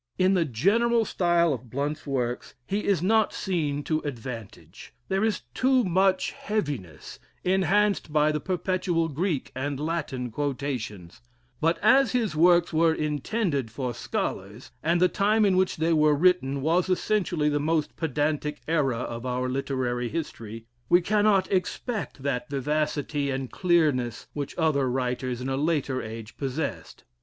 In the general style of Blount's works, he is not seen to advantage; there is too much heaviness, enhanced by the perpetual Greek and Latin quotations; but as his works were intended for scholars, and the time in which they were written was essentially the most pedantic era of our literary history, we cannot expect that vivacity and clearness which other writers in a later age possessed.